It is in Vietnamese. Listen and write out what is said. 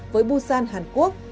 với busan hàn quốc